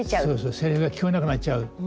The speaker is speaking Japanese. せりふが聞こえなくなっちゃう。